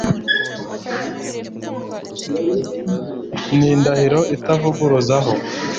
ni indahiro atazivuguruzaho